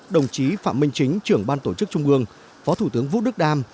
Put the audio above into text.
đồng chí phạm minh chính trưởng ban tổ chức trung ương phó thủ tướng vũ đức đam